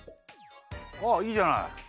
ああいいじゃない。